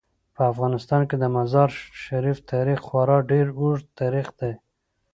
په افغانستان کې د مزارشریف تاریخ خورا ډیر اوږد تاریخ دی.